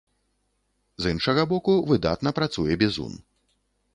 З іншага боку, выдатна працуе бізун.